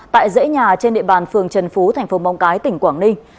tại dãy nhà trên địa bàn phường trần phú thành phố móng cái tỉnh quảng ninh